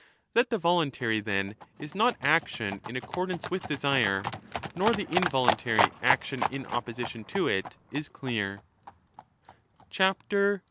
* That the voluntary then is not action in accordance with desire, nor the involuntary action in opposition to it, is clear.